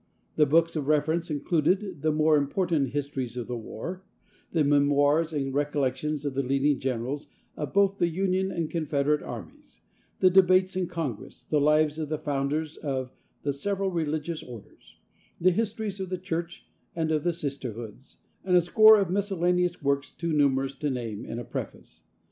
The books of reference included the more important histories of the war; the memoirs and recollections of the leading generals of both the Union and Confederate armies; the debates in Congress, the lives of the founders of the several religious orders; the histories of the Church and of the Sisterhoods, and a score of miscellaneous works too numerous to name in a preface.